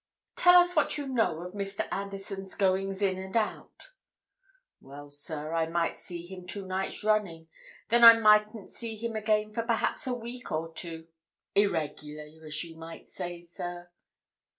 "Tell us what you know of Mr. Anderson's goings in and out." "Well, sir, I might see him two nights running; then I mightn't see him again for perhaps a week or two. Irregular, as you might say, sir."